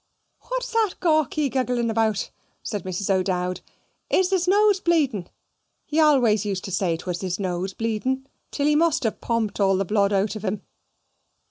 "Hwhat's that gawky guggling about?" said Mrs. O'Dowd. "Is it his nose bleedn? He always used to say 'twas his nose bleedn, till he must have pomped all the blood out of 'um.